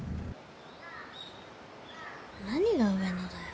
何が上野だよ。